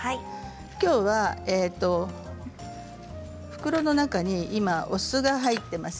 きょうは袋の中にお酢が入っています。